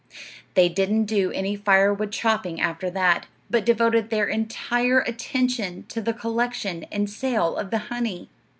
They didn't do any firewood chopping after that, but devoted their entire attention to the collection and sale of the honey.